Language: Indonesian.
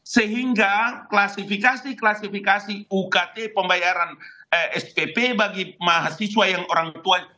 sehingga klasifikasi klasifikasi ukt pembayaran spp bagi mahasiswa yang orang tua